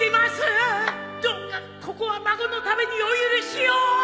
どうかここは孫のためにお許しを！